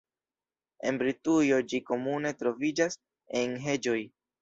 En Britujo ĝi komune troviĝas en heĝoj.